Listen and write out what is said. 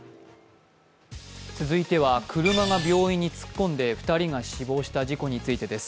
続いては車が病院に突っ込んで２人が死亡した事故についてです。